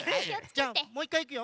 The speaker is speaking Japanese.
じゃあもういっかいいくよ。